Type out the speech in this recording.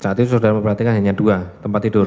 saat itu saudara memperhatikan hanya dua tempat tidur